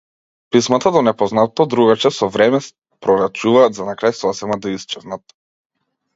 Писмата до непознатото другарче со време проретчуваат за на крај сосема да исчезнат.